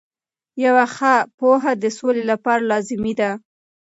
یوه ښه پوهه د سولې لپاره لازمي ده.